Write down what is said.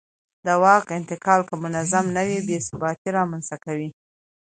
د واک انتقال که منظم نه وي بې ثباتي رامنځته کوي